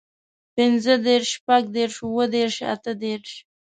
پينځهدېرش، شپږدېرش، اووهدېرش، اتهدېرش